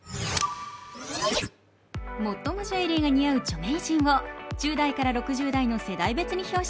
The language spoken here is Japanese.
最もジュエリーが似合う著名人を１０代から６０代の世代別に表彰。